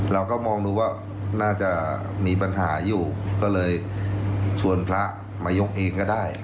เราก็มองดูว่าน่าจะมีปัญหาอยู่ก็เลยชวนพระมายกเองก็ได้